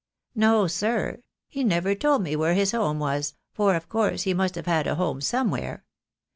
"No, sir, he never told me where his home was, for of course he must have had a home somewhere.